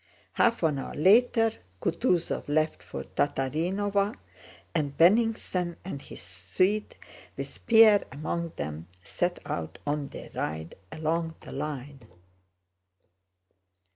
Half an hour later Kutúzov left for Tatárinova, and Bennigsen and his suite, with Pierre among them, set out on their ride along the line.